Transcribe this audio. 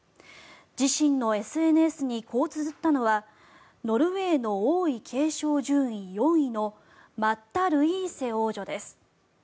自身のＳＮＳにこうつづったのはノルウェーの王位継承順位４位のマッタ・ルイーセ王女です。